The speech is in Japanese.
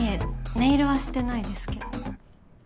ネイルはしてないですけど。